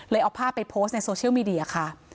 เอาภาพไปโพสต์ในโซเชียลมีเดียค่ะ